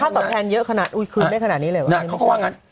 แต่มันได้ค่าต่อแทนเยอะขนาดคือได้ขนาดนี้เลยวะ